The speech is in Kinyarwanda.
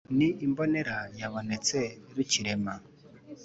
ni imbonera yabonetse rukirema;